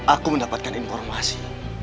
aku mendapatkan informasi